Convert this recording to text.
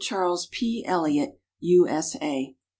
Chaeles P. Elliott, U. S. A.